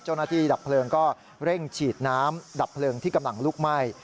ดับเพลิงก็เร่งฉีดน้ำดับเพลิงที่กำลังลุกไหม้